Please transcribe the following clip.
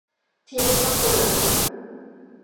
เทียนข้าวเปลือก